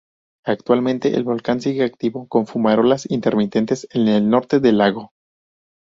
Actualmente el volcán sigue activo con fumarolas intermitentes en el norte del lago.